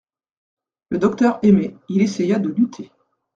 Le docteur aimait, il essaya de lutter.